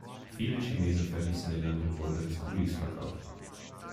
Viele Chinesen verließen ihr Land und wurden als "Kulis" verkauft.